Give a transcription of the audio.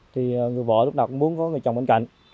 thì người vợ lúc nào cũng muốn có người chồng bên cạnh